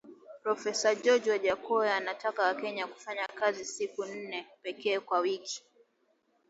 Profesa George Wajackoya anataka wakenya kufanya kazi siku nne pekee kwa wiki